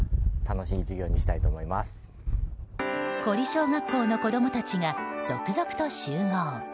古里小学校の子供たちが続々と集合。